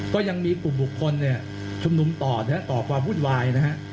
ก็ยังมีกลุ่มบุคคลชุมนุมต่อต่อความวุ่นวาย